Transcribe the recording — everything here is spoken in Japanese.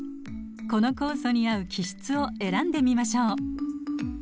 この酵素に合う基質を選んでみましょう。